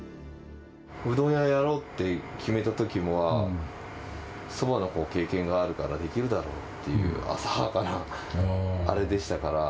うどん屋やろうって決めたときは、そばのほう、経験があるからできるだろうっていう、浅はかなあれでしたから。